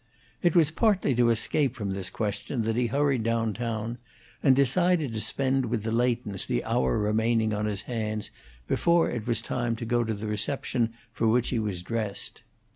It was partly to escape from this question that he hurried down town, and decided to spend with the Leightons the hour remaining on his hands before it was time to go to the reception for which he was dressed.